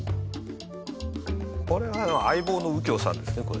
これは『相棒』の右京さんですね